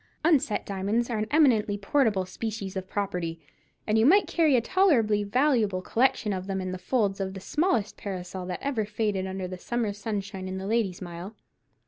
Unset diamonds are an eminently portable species of property, and you might carry a tolerably valuable collection of them in the folds of the smallest parasol that ever faded under the summer sunshine in the Lady's Mile.